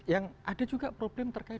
yang ada juga problem terkait